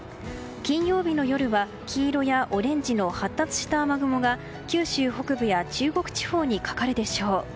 金曜日の夜は、黄色やオレンジの発達した雨雲が九州北部や中国地方にかかるでしょう。